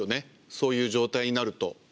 そういう状態になると。